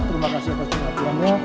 terima kasih atas penontonannya